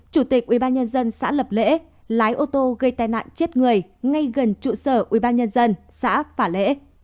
chủ tịch ubnd xã lập lễ lái ô tô gây tai nạn chết người ngay gần trụ sở ubnd xã phả lễ